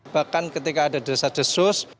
bahkan ketika ada desa desa sus